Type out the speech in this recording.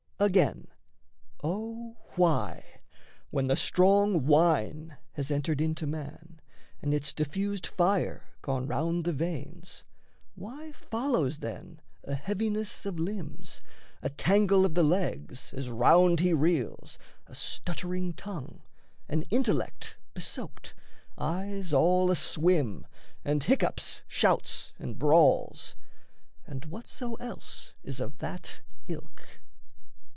Again, O why, When the strong wine has entered into man, And its diffused fire gone round the veins, Why follows then a heaviness of limbs, A tangle of the legs as round he reels, A stuttering tongue, an intellect besoaked, Eyes all aswim, and hiccups, shouts, and brawls, And whatso else is of that ilk?